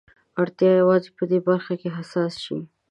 اړتيا يوازې په دې برخه کې حساس شي.